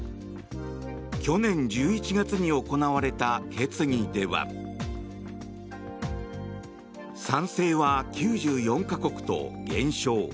去年１１月に行われた決議では賛成は９４か国と減少。